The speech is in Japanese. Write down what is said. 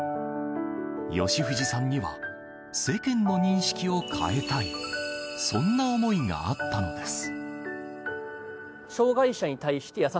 吉藤さんには世間の認識を変えたいそんな思いがあったのです。